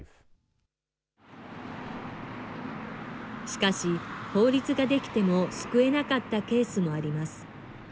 しかし、法律が出来ても救えなかったケースもあります。